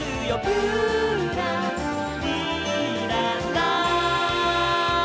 「ぴゅらりらら」